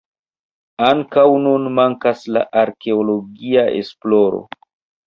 Ankaŭ nun mankas la arkeologia esploro.